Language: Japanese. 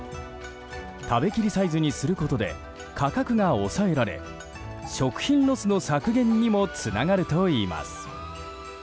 食べ切りサイズにすることで価格が抑えられ食品ロスの削減にもつながるといいます。